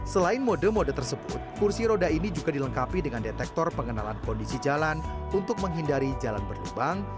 selain mode mode tersebut kursi roda ini juga dilengkapi dengan detektor pengenalan kondisi jalan untuk menghindari jalan berlubang